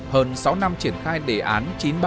hơn sáu năm triển khai đề án chín trăm ba mươi